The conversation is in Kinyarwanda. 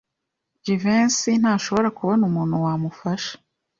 Jivency ntashobora kubona umuntu wamufasha.